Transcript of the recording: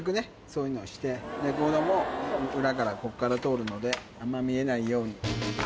そういうのをしてレコードも裏から通るのであんま見えないように。